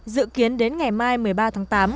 dự kiến đến ngày mai một mươi ba tháng tám